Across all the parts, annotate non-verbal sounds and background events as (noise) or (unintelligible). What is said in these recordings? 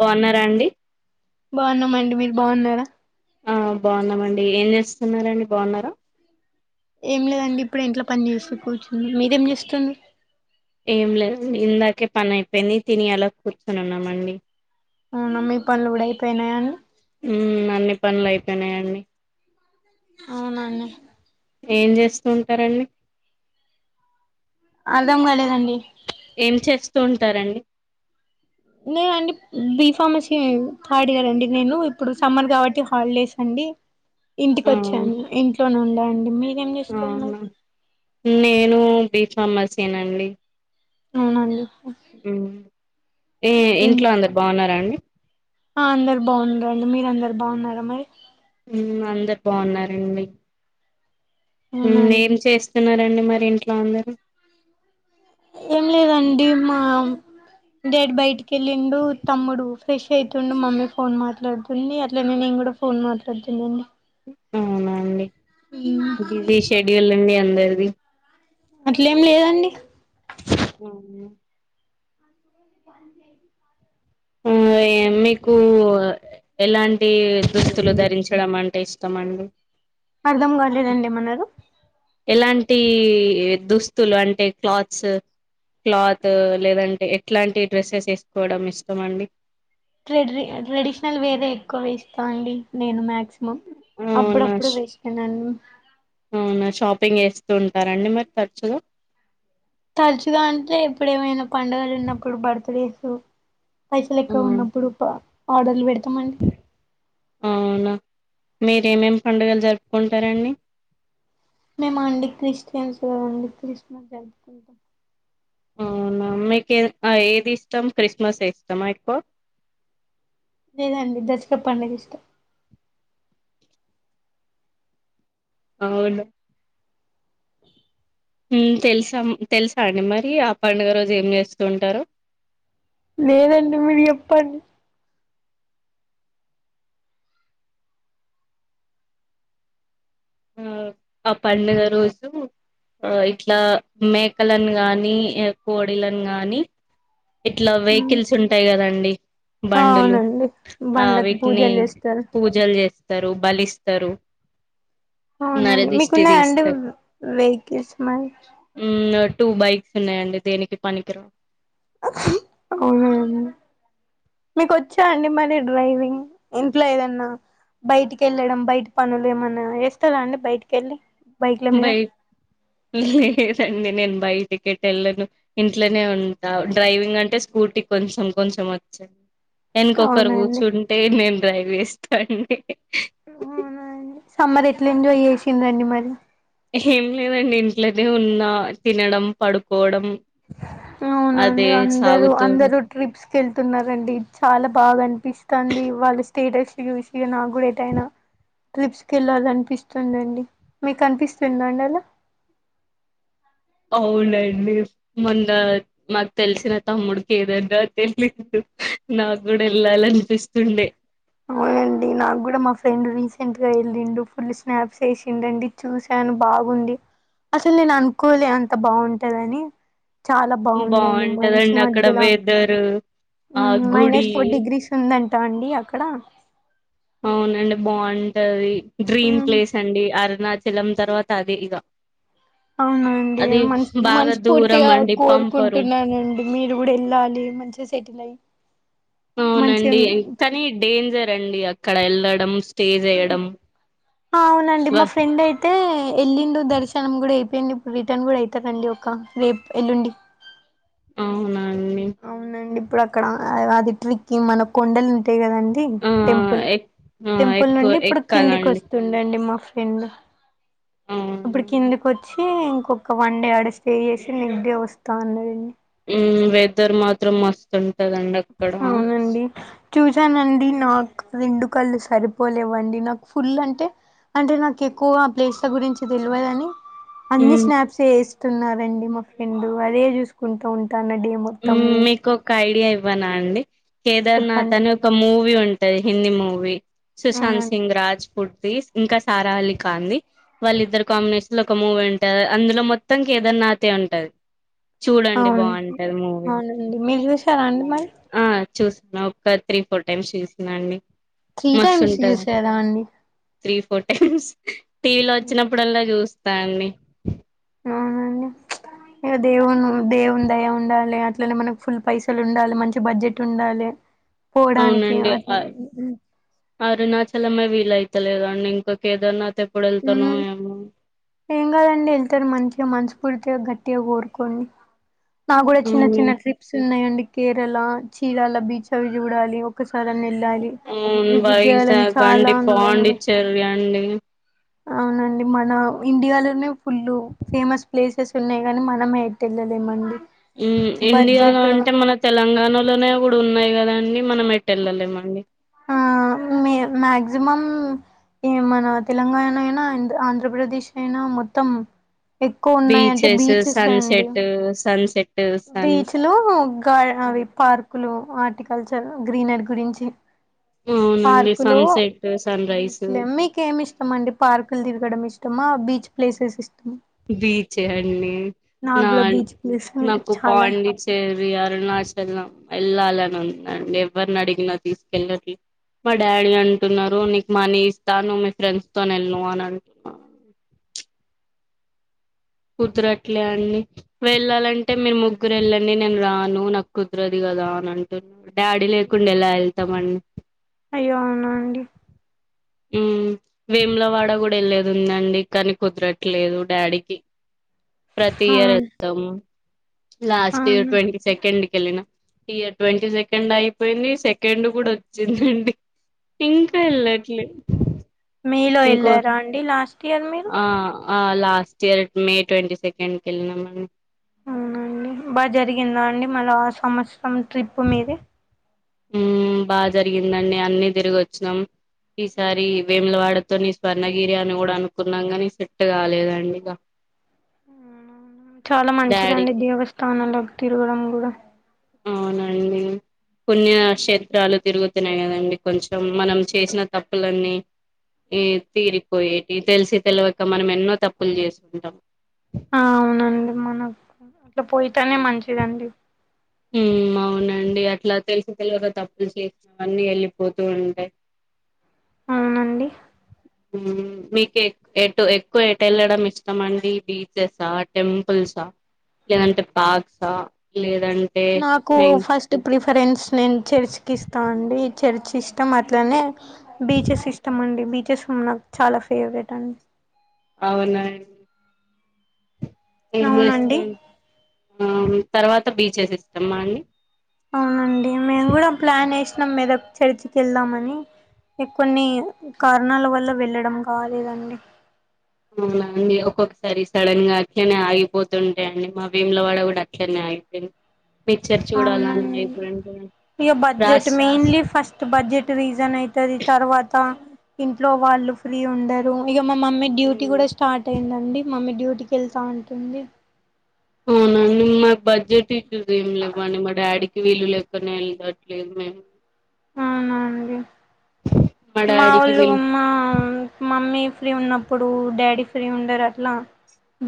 బాగున్నారా అండి బాగున్నామండి మీరు బాగున్నారా. ఆ బాగున్నామండి ఏం చేస్తున్నండి బాగున్నా. ఏం లేదండి ఇప్పుడు ఇంట్లో పని చేసి కూర్చుంది మీరేం చేస్తుంది. ఏం లేదం ఇందాకే పని అయిపోయింది తిని అలా కూర్చొనిన్నామండి. అవునా మీ పన్లు కూడా ఐపోయినయా అండి. ఉమ్ అన్ని పనులు అయిపోయినాయండి. అవునండి. ఏం చేస్తూ ఉంటారండి? అర్ధం కాలేదండి. ఏం చేస్తూ ఉంటారండి? నేన అండి బి ఫార్మసీ థాడ్ ఇయర్ అండి నేను ఇప్పుడు సమ్మర్ కాబట్టి హాలిడేస్ అం డి ఇంటికి ఆ వచ్చాను, ఇంట్లోనే ఉండండి మీరేం చేస్తారు అవునా మరి? నేను బీ ఫార్మసేనాండి. అవునండి ఊ ఏ ఏం ఇంట్లో అందరు బాగున్నారా అండి? ఆ అందరు బాగున్నారండి. మీరు అందరు బాగున్నారా మరి? అందరు బాగున్నారండి. ఊ అవునండి నేం చేస్తున్నరండి. మరి ఇంట్లో అందరు? ఏం లేదండి మా డెడ్ బయటికి వెళ్ళిండు, తమ్ముడు ఫ్రెష్ అయితుండు, మమ్మీ ఫోన్ మాట్లాడుతుంది. అట్లానే నేన్ కూడా ఫోన్ మాట్లాడుతునండి. అవునా అండి బిజీ షెడ్యూల్ అండి అందరిది. అట్లేం లేదండి. ఆవును కొంచం పన్ జెయ్ ఊ ఏ మీకు ఎలాంటి దుస్తులు ధరించడం అంటే ఇష్ తమండి అర్ధం కాలేదండి ఏమన్నరు టీ దుస్తులు అంటే క్లాత్స్ క్లాత్ లేదంటే ఎట్లాంటి డ్రెస్సెస్ వేసుకోవడం ఇష్టం అండి. ట్రెడ్రి ట్రెడిషనల్ వేరే ఎక్కో ఇష్టమండీ నేను మక్సి మమ్ అవునా అప్పుడప్పుడు వేస్తనండి. అవునా షాపింగ్ చేస్తూ ఉంటారండి మరి తరచుగా తరచుగా అంటే ఎప్పుడు ఏమైనా పండుగలు ఉన్నప్పుడు బర్త్ డేసు పైసలు ఆ, ఎక్కువ ఉన్నప్పుడు ప ఆర్డర్లు పెడతామండి. మీరేమేమ్ పండుగలు జరుపుకుంటారండి. మేమ అండి క్రిస్టియన్స్ కదండి క్రిస్మస్ జరుపుకుంటాం. అవునా మీకెన్ ఆ ఏది ఇష్టం క్రిస్మస్ ఏ ఇష్టమా ఎక్కో లేదండి దసర పండగ ఇష్టం. అవునా ఊ తెలుసా తెలుసా అండి మరి ఆ పండగ రోజు ఏం చేస్తూ ఉంటరో లేదండి మీరు చెప్పండి. ఆ ఆ పండుగ రోజు ఆ ఇట్లా మేకలను గానీ అ కోడిలను గానీ ఇట్లా వెహికల్స్ ఉంటాయి కదండి. బండులు అవునండి ఆ బండ్లకి వీటిని పూజలు చేస్తారు పూజలు చేస్ తరు బలిస్తరు. అవునండి నరదిష్టి మీకున్నాయండి తీస్తరు వెహికల్స్ మరి ఊ ఒట్ టూ బైక్స్ ఉన్నాయండి దేనికి పనికిరావ్ అవునా అండి మీకు వచ్చా అండి మరి డ్రైవింగ్ ఇంట్ల ఏదన్న బయటికి వెళ్ళడం బయట పనులు ఏమన్నా ఏస్తరా అండి బయటికి వెళ్ళి బైక్ల మీద బైక్ లేదం అండి నేను బైటికెటెళ్ళను ఇంట్లోనే ఉంటా, డ్రైవింగ్ అంటే స్కూటీ కొంచం కొంచం వచ్చు, ఎన్కొకరు అవునండి కూర్చుంటే నేను డ్రైవ్ చేస్తాండి. ఆ అవునా అండి, సమ్మర్ ఎట్లా ఎంజాయ్ చేసిందండి మరి? ఏం లేదండి ఇంట్లనే ఉన్నా తినడం, పడుకోవడం. ఉమ్ అదే అవునండి అందరు సాగుతూ ఉం అందరు ట్రిప్స్కి వెళ్తున్నారండి, చాలా బాగా అనిపిస్తంది వాళ్లు థేటర్స్ నీ చూసి నా గుడ ఏటైనా ట్రిప్స్ కెళ్ళాలనిపిస్తుందండి, మీకు అనిపిస్తుందా అండి అలా? అవునండి మొన్న మాకు తెలిసిన తమ్ముడికి ఏదన్నా తెలిదు నాకు గుడ ఎళ్ళాలనిపిస్తుంది. ఆ అండి నాకు గుడ మా ఫ్రెండ్ రీసెంట్ గా వెళ్ళిండు, ఫుల్ స్నాప్స్ ఏసిండండి, చూసాను బాగుంది. అసలు నేను అనుకోలే అంత బాగుంటదని. చాలా బాగుందండి మంచు బాగుంటదండి అక్కడ మధ్యల వెదర్ ఆ ఉమ్ గుడి మైనస్ ఫోర్ డిగ్రీస్ ఉందంటా అండి అక్కడ. అవునండి బాంటది, డ్రీమ్ ఉమ్, ప్లేస్ అండి అరుణచ్ చలం తర్వాత అది ఇగ అవునా అండి అది మన్ బాగా దూరం మనస్ఫూర్తిగా అండి పంపరు కోరుకుంటున్నానండి, మీరు గుడ వెళ్ళాలి మంచి స్ సిటిలై అవునండి కానీ డేంజర్ అండి, అక్కడ ఎళ్ళడం అవునండి మా ఫ్రెండ్ అయితే ఎళ్ళిండు దర్శనం గుడ అయి ఫ్రెండ్ ఇప్పుడు రిటర్న్ గుడ ఐతదిండి ఒక రేప్, ఎల్లుండి ఉమ్ అవునండి ఇప్పుడు అక్కడ ఆ అది ట్రిక్కి మన కొండలు ఉంటయి కదా అండి ఆ టెంపుల్, ఎక్ ఆ టెంపుల్ ఎక్కువ నుండి ఇప్పుడు కిందికి ఎక్కాలండి వస్తుండండి మా ఫ్రై ఫ్రెండు అవునా ఇప్పుడు కిందికి వచ్ ఇంకొక్క వన్ డే ఆడ స్టే చేసి నిద్దె వస్తా అన్నడండి. ఉమ్ వెదర్ మాత్రం మస్తు ఉంటదండి అక్కడ. అవునండి చూసానండి నాకు రెండు కళ్ళు సరిపోలేవండి, నాకు ఫుల్ అంటే అంటే నాకు ఎక్కువ ఆ ప్లేస్ల గురించి తెలువదుని అన్ని మ్మ్, స్నాప్స్ ఏస్తున్నారండి మా ఫ్రెండు, అదే చూసుకుంటూ ఉం ఉమ్ మీకొకై డి ఇవ్వనా అండి, కేదార్నాథ్ చెప్పండి అని ఒక మూవీ ఉంటది, హిందీ మూవీ. సుశాంత్ అవునండి సింగ్ రాజ్ పుట్. తీస్ ఇంకా సారాహలి కాంది, వాళ్ళ ఇద్దరు కాంబినేషన్ లో ఒక మూవ్ ఉంటది, అందులో మొత్తం కేదార్ నాతే ఉంటది, చూడండి అవును బాగుం అవునండి మీరు చూసారా అండి మరి? చూస్న ఒకసారి త్రీ, ఫోర్ టైమ్స్ చూసిన అండి. త్రీ మస్తు టైమ్స్ ఉంటంది, చూసారా అండి త్రీ ఫోర్ టైమ్స్. టీ వీలో వచ్చినప్పుడల్లా చూస్తా అండి. ఇగ దేవును దేవుని దయ ఉండాలే, అట్లనే మనకు ఫుల్ పైసలు ఉండాలె, మంచి బడ్జెట్ ఉండాలె. పోవడానికి అవునండి అ అట్లా. అరుణాచలమే వీలైత లేదండి ఇంకా కేదార్నాథ్ ఎప్పుడు ఉమ్ వెళ్తానో ఏమో ఏం కాదండి ఎళ్తారు మంచిగా మంచు పూల్తిగ గట్టిగా కోరుకోండి, నాకు కూడా చిన్న అవును చిన్న ట్రిప్స్ ఉన్నాయండి. కేరళ చీరాల బీచ్ అవి చూడాలి ఒక స సారన వెళ్ళాలి అవును విజిట్ చేయాలని వైజాగ్ చాలా అండి ఉందండి. పాండిచ్చేరి అండి అవునండి మన ఇండియాలో నే ఫుల్లు ఫేమస్ ప్లేసెస్ ఉన్నాయి కాని మనం ఎటెళ్ళలేమండి ఊ ఇండియాలో అంటే మన తెలంగాణలోనే కూడా ఉన్నాయి కదా అండి మనం ఎట్ వెళ్ళలేమండి. మీర్ మాక్సిమమ్ ఇగ మన తెలంగాణ అయినా అండ్ ఆంధ్రప్రదేశ్ అయినా మొత్తం ఎక్కో ఉన్నాయి అంటే బీచెస్ అండి. సన్సెట్ సన్సెట్ సన్ బీచ్ లో గ అవి పార్క్ ప్పులు ఆర్టికల్చర్ గ్రీనరీ గురించి అవునండి పార్కులు సన్సెట్ సన్ రైస్ బీచ్లేం మీకేమి ఇష్టం అండి పార్కులు తిరగడం ఇష్ టమా బీచ్ ప్లేసెస్ ఇస్ బీచ్ ఏ అండి నాకు కూడా నాన్ బీచ్ ప్లేస్ అంటే నాకు చాలా పాండిచ్చేరి ఇగ అరుణాచలం వెళ్ళాలని ఉందండి ఎవరిని అడిగినా తీసుకెళ్ళట్లే మా డాడీ అంటున్నారు నీకు మనీ ఇస్తా నువ్ మీ ఫ్రెండ్స్ తోని వెళ్లు అని అంటున్నారు కుదరట్లే అండి వెళ్ళాలంటే మీరు ముగ్గురు వెళ్ళండి నేను రాను నాకు కుదరదు ఇగ కదా అని అంటున్నా డాడీ లేకుండా ఎలా వెళ్తామన్ అయ్యో అవునా అండి ఊ వేములవాడ కూడా వెళ్లేది ఉందండి కానీ కుదరట్లేదు డాడీకి ప్రతి ఇయర్ అవును ఎల్తమ్ లాస్ట్ ఇయర్ అవును ట్వంటీ సెకండ్కి వెళ్ళినా ఇగ ట్వంటీ సెకండ్ అయిపోయింది సెకండ్ కూడా వచ్చిందండి ఇంకా వెలా ట్లే మేలో వెళ్ళారా అండి లాస్ట్ ఇయర్ మీరు. ఆ ఆ last year May twenty second కెలినామండి అవునండి బాగా జరిగిందా అండి మళ్ళ ఆ సంవత్సరం ట్రిప్పు మీది ఊ బాగా జరిగిందండి అన్ని తిరిగి వచ్చినం ఈసారి వేములవాడతోనీ స్వర్ణగిరి అని కూడా అనుకున్నాం గనీ సెట్ కాలేదండి ఇగ అవునా చాలా మంచిదండి డాడీకి దేవస్థానాలోకి తిరగడం కూడా అవునండి పుణ్యక్షేత్రాలు తిరుగు తెనే కదండి కొంచెం మనం చేసిన తప్పులన్నీ ఈ తీరిపోయేటి తెలిసి తెలివక మనం ఎన్నో తప్పులు చేసుంటాం ఆ అవునండి మనకు అట్లా పోయ్ తానే మంచిదండి ఊ అవును నండి అట్లా తెలిసి తెలివక తప్పులు చేసినవన్నీ వెళ్ళిపోతూ ఉంటాయి నండి ఊ మీకు ఎక్ ఎటు ఎక్కువ ఎటు వెళ్ళడం ఇష్టం అండి బీచెసా టెంపుల్ స లేదంటే పాక్స లేదం నాకు ఫస్ట్ ప్రిఫ్ ఫ్రెండ్స్ నేను చర్చ్కిస్తా అండి చర్చ్ ఇష్టం అట్లనే బీచెస్ ఇష్టమండి. బీచెస్ ఉ నాకు చాలా ఫేవరెట్ అండి అవులె ఏం అవునండి చేస్తాం తర్వాత బీచెస్ ఇస్తాంమా అండి అవునండి మేము కూడా ప్లాన్ వేసినాం మీద చర్చికి వెళ్దామని కొన్ని కారణాల వల్ల వెళ్ళడం కాలేదండి అవులా అండి ఒక్కొక్కసారి సడన్ గా అట్లనే ఆగిపోతుంటాయిడి మా భీమల వాడ కూడా అట్లనే ఆగిపోయి (unintelligible) అవునండి ఇక బడ్జెట్ రాస్ మెయిన్లీ ఫస్ట్ బడ్జెట్ రీజన్ అయితది తర్వాత ఇంట్లో వాళ్ళు ఫ్రీ ఉండరు ఇ మా మమ్మీ డ్యూటీ హ్మ్. కూడా స్టార్ట్ అయిందండి మమ్మీ డ్యూటీకి వెళ్తా ఉంటుంది అవునండి మా బడ్జెట్ (unintelligible) ఏం లేవండి మా డాడీకి వీలు లెక్కనే వెళ్దట్లేదు లెదు అవునండి మా డాడీకి మాఊళ్ళు వీల్ మా మమ్మీ ఫ్రీ ఉన్నప్పుడు డాడీ ఫ్రీ ఉండరు అట్లా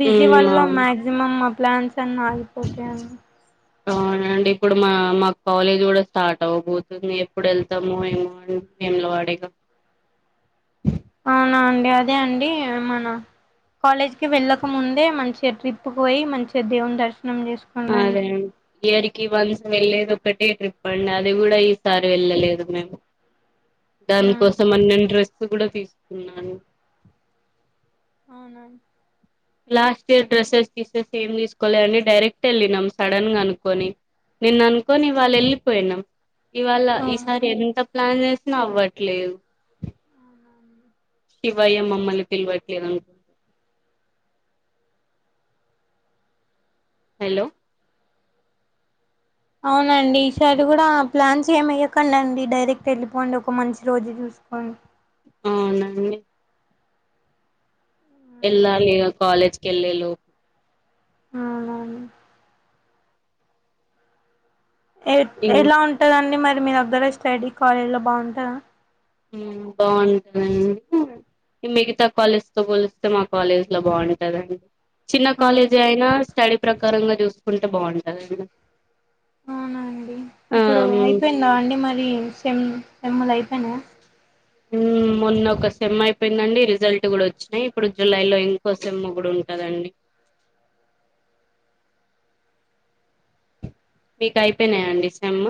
బిజీ మ్మ్ వల్ల అవును మాక్సిమం మా ప్లాన్స్ అన్ని ఆగిపోతాయండి అవునండి ఇప్పుడు మా మా కాలేజ్ కూడా స్టార్ట్ అవ్వబోతుంది ఎప్పుడు వెళ్తామో ఏమో అ భీమలవాడేగా అవునా అండి అదే అండి మనా కాలేజ్కి వెళ్ళక ముందే మంచిగా ట్రిప్ పోయి మంచిగా దేవుని దర్శనం నం చేసుకోండి అదే ఇయర్ కి వన్స్ వెళ్లేది ఒకటే ట్రిప్ అండి అది కూడా ఈసారి వెళ్ళలేదు మేము దాని కోసం అన్న డ్రెస్ కూడా తీసుకున్నాను అవును లాస్ట్ ఇయర్ డ్రెస్సెస్ తీసే ఏం తీసుకోలే అని డైరెక్ట్ వెళ్ళినాం సడన్ గా అనుకొని నిన్న అనుకోని ఇవాళ్ వెళ్ళిపోయినాం ఇవాళ అవును ఈసారి ఎంత ప్లాన్ చేసినా అవ్వట్లేదు శివయ్య మమ్మల్ని పిల్వట్లే హలో అవునండి ఈసారి కూడా ప్లాన్స్ ఏమయ్యకండా అండి డైరెక్ట్ వెళ్ళిపోండి ఒక మంచి రోజు చూసి అవును అవునా అండి వెళ్లాలి కాలేజీకి కెళ్లిలు అవును అవును ఎలా ఉంటదండి మరి మీ దగ్గర స్టడీ కాలేజ్ లో బాగుంటందా బాగుంటుందండి ఈ మిగతా కాలేజ్ తో పోలిస్తే మా కాలేజ్ లో బాగుంటదండి చిన్న అవును కాలేజీ అయినా స్టడీ ప్రకారంగా చూసుకుంటే బాగుంటుందిండి అవునా అండి ఇప్పుడు అయిపోయిందా అండి మరి సేమ్ సేమ్ లు అయిపోయినాయా మొన్న ఒక సెమ్ అయిపోయిందండి రిజల్ట్ కూడా వచ్చినాయి ఇప్పుడు జులై లో ఇంకో సమ్ కూడా ఉంటు కదండి మీకు అయిపోయినాయాండి సెమ్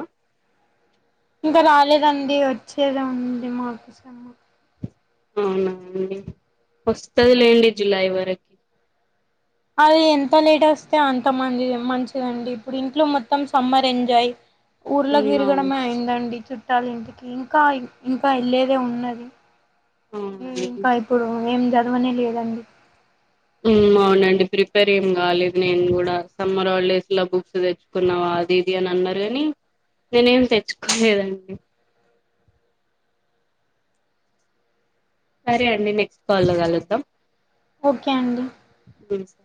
ఇంకా రాలేదండి వచ్చేది ఉంది మాది సెమ్ అవునాండి వస్తుదిలేండి జులై వరకు అది ఎంత లేట్ వస్తే అంత మంచి మంచిదండి ఇప్పుడు ఇంట్లో మొత్తం సమ్మర్ ఎంజాయ్ ఊర్ళకి మ్మ్ తిరగడం అవును అయిందండి చు పెట్టాలి ఇంటికి ఇంకా ఇంకా వెళ్ళదే ఉన్నది అవునండి ఇంకా ఇప్పుడు ఏం చదవనే లేదండి అవునండి ప్రిపేర్ ఏం కాలేదు నేను కూడా సమ్మర్ హాలిడేస్ లా బుక్స్ తెచ్చుకున్నావా ఆది ఇది అని అన్నరు కాని నేనేం తెచ్చుకోలేదండి సరే అండి నెక్స్ట్ కాల్లో కలుద్దాం ఓకే అండి తెలుసా